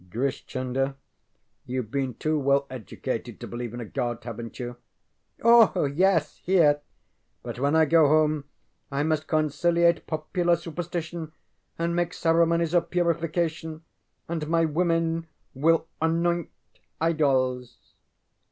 ŌĆØ ŌĆ£Grish Chunder, youŌĆÖve been too well educated to believe in a God, havenŌĆÖt you? ŌĆØ ŌĆ£Oah, yes, here! But when I go home I must conciliate popular superstition, and make ceremonies of purification, and my women will anoint idols.